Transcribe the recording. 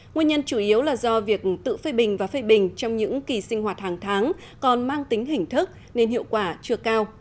nguyên nhân chủ yếu là do việc tự phê bình và phê bình trong những kỳ sinh hoạt hàng tháng còn mang tính hình thức nên hiệu quả chưa cao